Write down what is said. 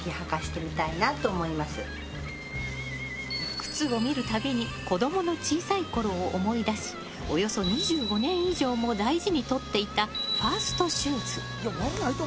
靴を見るたびに子供の小さいころを思い出しおよそ２５年以上も大事にとっていたファーストシューズ。